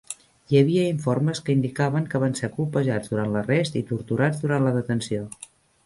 Hi havia informes que indicaven que van ser colpejats durant l'arrest i torturats durant la detenció.